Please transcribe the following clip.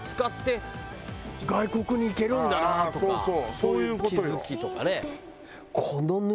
そういう気付きとかね。